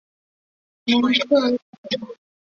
蒙克拉博。